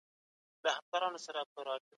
علمي پوهه د عقل پر بنسټ ولاړه ده.